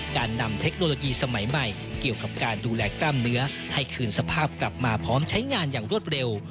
การนำเทคโนโลยีสมัยใหม่เกี่ยวกับการดูแลกล้ามเนื้อให้คืนสภาพกลับมาพร้อมใช้งานอย่างรวดเร็ว